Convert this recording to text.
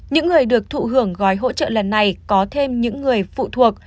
những người được thụ hưởng gói hỗ trợ lần này có thêm những người phụ thuộc